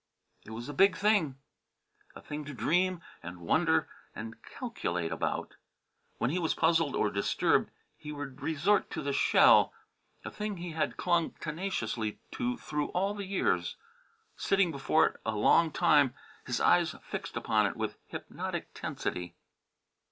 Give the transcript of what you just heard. It was a big thing; a thing to dream and wonder and calculate about. When he was puzzled or disturbed he would resort to the shell a thing he had clung tenaciously to through all the years sitting before it a long time, his eyes fixed upon it with hypnotic tensity.